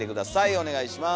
お願いします。